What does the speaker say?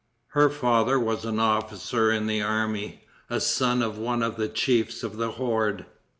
Her father was an officer in the army, a son of one of the chiefs of the horde.